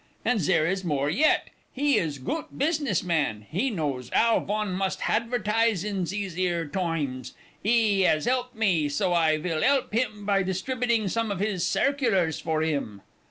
And zere is more yet, he is goot business man, he knows ow von must hadvertise in zese' ere toimes. 'E 'as 'elp me, so I vill 'elp 'im by distributing some of his cairculars for 'im.